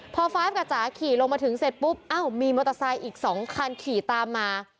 พอไฟฟ์กับจ๋าขิลงมาถึงเสร็จปุ๊บเอ้ามีมอเตอร์ไซค์อีกสองครรภ์ขี่ตามมา